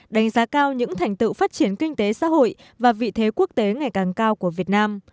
đánh giá cao những thành tựu phát triển kinh tế xã hội và vị thế quốc tế ngày càng cao của việt nam